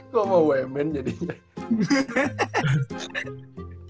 kok sama wmn jadinya